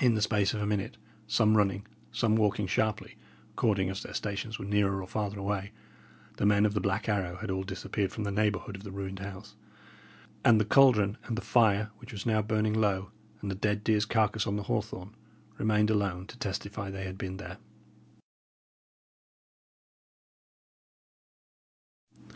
In the space of a minute, some running, some walking sharply, according as their stations were nearer or farther away, the men of the Black Arrow had all disappeared from the neighbourhood of the ruined house; and the caldron, and the fire, which was now burning low, and the dead deer's carcase on the hawthorn, remained alone to testify they had been there.